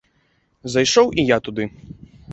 Зайшоў і я туды.